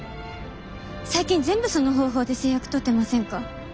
最近全部その方法で成約取ってませんか？